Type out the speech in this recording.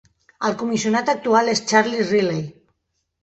El comissionat actual és Charlie Riley.